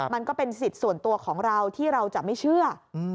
มันก็เป็นสิทธิ์ส่วนตัวของเราที่เราจะไม่เชื่อ